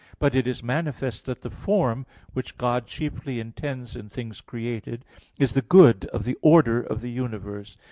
But it is manifest that the form which God chiefly intends in things created is the good of the order of the universe.